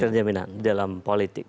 tidak ada jaminan dalam politik